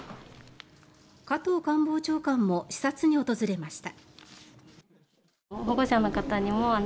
加藤官房長官も視察に訪れました。